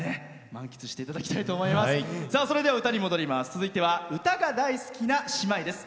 続いては歌が大好きな姉妹です。